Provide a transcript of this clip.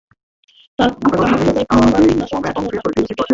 তামাকখেতে ক্ষতিকর কীটনাশক ছিটানোর কারণে অনেক এলাকায় পাখির সংখ্যাও কমে গেছে।